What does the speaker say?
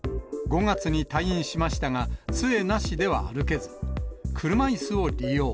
５月に退院しましたが、つえなしでは歩けず、車いすを利用。